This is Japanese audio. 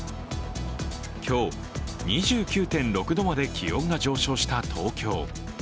今日、２９．６度まで気温が上昇した東京。